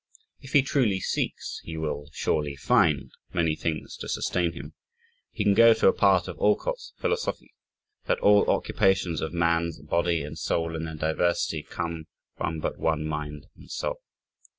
If he "truly seeks," he "will surely find" many things to sustain him. He can go to a part of Alcott's philosophy "that all occupations of man's body and soul in their diversity come from but one mind and soul!"